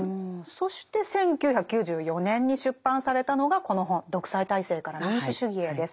そして１９９４年に出版されたのがこの本「独裁体制から民主主義へ」です。